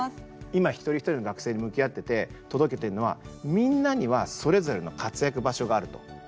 今、一人一人の学生に向き合ってて届けてるのはみんなにはそれぞれの活躍場所があると。